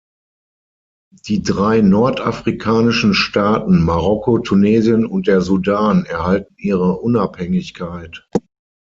Die drei nordafrikanischen Staaten Marokko, Tunesien und der Sudan erhalten ihre Unabhängigkeit.